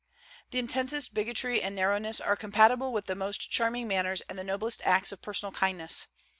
The intensest bigotry and narrowness are compatible with the most charming manners and the noblest acts of personal kindness.